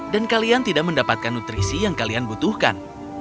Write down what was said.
kalian tidak mendapatkan nutrisi yang kalian butuhkan